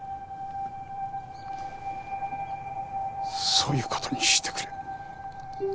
そういうことにしてくれ。